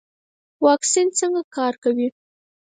واکسین څنګه کار کوي؟